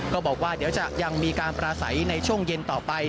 ก็บอกว่าเดี๋ยวจะยังมีการปราศัยในช่วงเย็นต่อไป